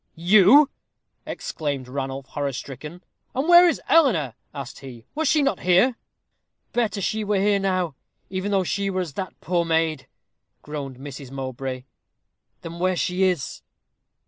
"You!" exclaimed Ranulph, horror stricken. "And where is Eleanor?" asked he. "Was she not here?" "Better she were here now, even though she were as that poor maid," groaned Mrs. Mowbray, "than where she is."